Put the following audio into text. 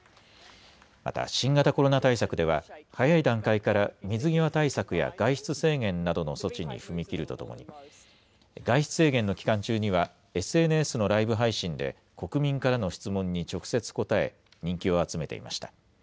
また新型コロナ対策では早い段階から水際対策や外出制限などの措置に踏み切るとともに外出制限の期間中にはＳＮＳのライブ配信で国民からの質問に直接答え人気を集めていました。